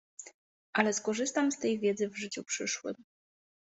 Ale skorzystam z tej wiedzy w życiu przyszłym.